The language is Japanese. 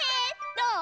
どう？